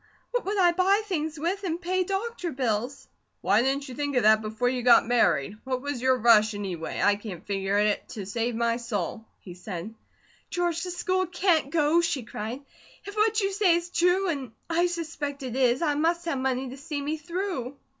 What would I buy things with, and pay doctor bills?" "Why didn't you think of that before you got married? What was your rush, anyway? I can't figure it to save my soul," he said. "George, the school can't go," she cried. "If what you say is true, and I suspect it is, I must have money to see me through."